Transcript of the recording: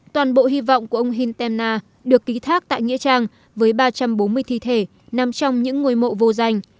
toàn bộ hy vọng của ông hintena được ký thác tại nghĩa trang với ba trăm bốn mươi thi thể nằm trong những ngôi mộ vô danh